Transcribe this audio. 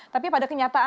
tapi pada kenyataan